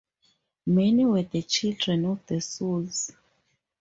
Many were the children of The Souls.